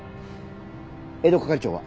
江戸係長は？